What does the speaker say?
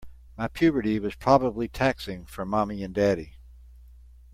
My puberty was probably taxing for mommy and daddy.